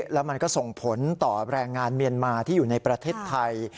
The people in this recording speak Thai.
แล้วมันก็ส่งผลต่อแรงงานเมียนมาที่อยู่ในประเทศไทย